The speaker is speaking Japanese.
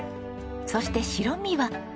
そして白身は。